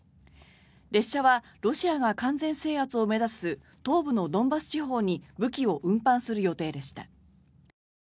列車はロシアが完全制圧を目指す東部のドンバス地方に武器を運搬する予定でした。